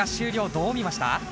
どう見ました？